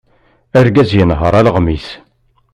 Argaz yenher alɣem-is.